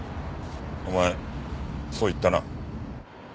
お前そう言ったな？